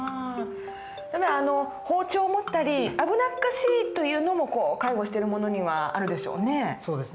ただ包丁を持ったり危なっかしいというのも介護してる者にはあるでしょうね。